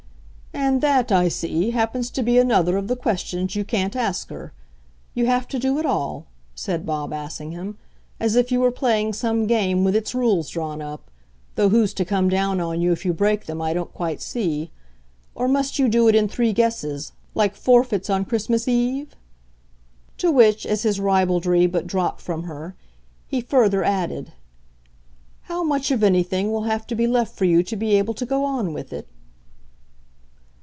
"And that I see happens to be another of the questions you can't ask her. You have to do it all," said Bob Assingham, "as if you were playing some game with its rules drawn up though who's to come down on you if you break them I don't quite see. Or must you do it in three guesses like forfeits on Christmas eve?" To which, as his ribaldry but dropped from her, he further added: "How much of anything will have to be left for you to be able to go on with it?"